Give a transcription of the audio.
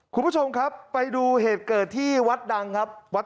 คุณผู้ชมครับไปดูเหตุเกิดที่วัดดังครับ